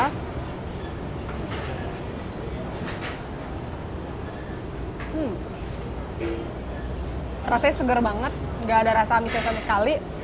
hmm rasanya segar banget nggak ada rasa amisnya sama sekali